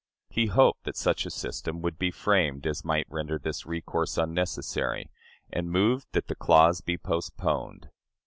He hoped that such a system would be framed as might render this recourse unnecessary, and moved that the clause be postponed."